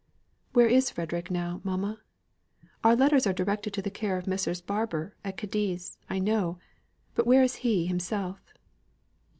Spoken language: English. "Where is Frederick now, mamma? Our letters are directed to the care of Messrs. Barbour, at Cadiz. I know: but where is he himself?"